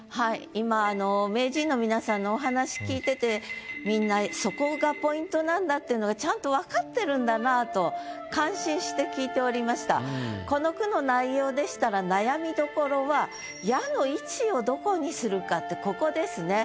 今名人の皆さんのお話聞いててみんなそこがポイントなんだっていうのがちゃんとわかってるんだなぁとこの句の内容でしたら悩みどころは「や」の位置をどこにするかってここですね。